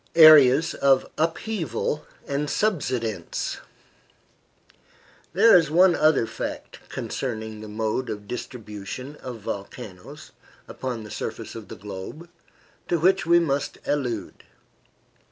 AREAS OF UPHEAVAL AND SUBSIDENCE There is one other fact concerning the mode of distribution of volcanoes upon the surface of the globe, to which we must allude.